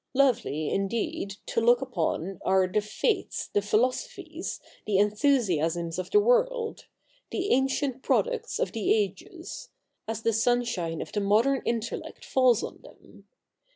Lovely, indeed, to look upon are the faiths, the philosophies, the enthusiasms of the world — the ancient products of the ages — as the sunshine of the modern intellect falls on them.